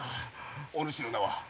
お主の名は？